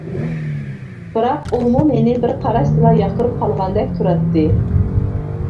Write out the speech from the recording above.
بىراق ئۇمۇ مېنى بىر قاراشتىلا ياقتۇرۇپ قالغاندەك تۇراتتى.